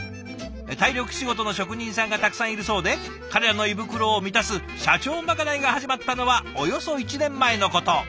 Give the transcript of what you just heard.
体力仕事の職人さんがたくさんいるそうで彼らの胃袋を満たす社長まかないが始まったのはおよそ１年前のこと。